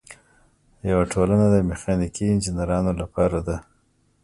یوه ټولنه د میخانیکي انجینرانو لپاره ده.